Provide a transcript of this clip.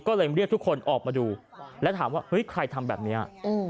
ก็เลยเรียกทุกคนออกมาดูแล้วถามว่าเฮ้ยใครทำแบบนี้